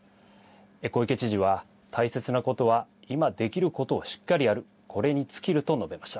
小池知事は、大切なことは今できることをしっかりやるこれに尽きると述べました。